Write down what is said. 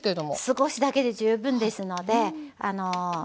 少しだけで十分ですので。